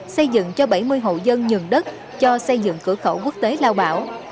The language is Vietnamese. xây dựng cho bảy mươi hộ dân nhường đất cho xây dựng cửa khẩu quốc tế lao bảo